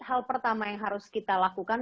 hal pertama yang harus kita lakukan